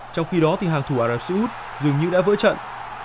trong khi đó thì hàng thủ ả rập xê út dường như đã vỡ trận